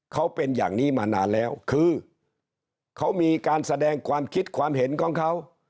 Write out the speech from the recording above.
เขาเป็นอย่างนี้มานานแล้วคือเขามีการแสดงความคิดความเห็นของเขา